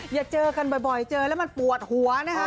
อย่าเจอกันบ่อยเจอแล้วมันปวดหัวนะคะ